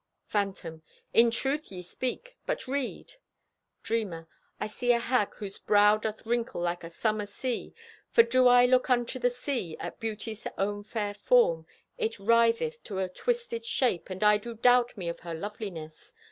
Phantom: In truth ye speak. But read! Dreamer: I see a hag whose brow Doth wrinkle like a summer sea. For do I look unto the sea At Beauty's own fair form, It writheth to a twisted shape, And I do doubt me of her loveliness.